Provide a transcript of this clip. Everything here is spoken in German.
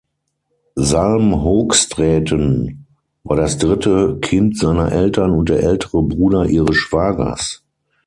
Salm-Hoogstraeten war das dritte Kind seiner Eltern und der ältere Bruder ihres Schwagers.